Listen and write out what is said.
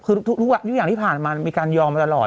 คือทุกอย่างที่ผ่านมามีการยอมมาตลอด